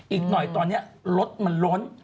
อีกหน่อยตอนนี้รถมันล้น